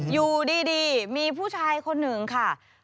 อยู่ดีมีผู้ชายคนหนึ่งค่ะ